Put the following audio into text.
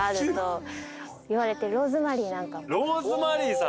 ローズマリーさん！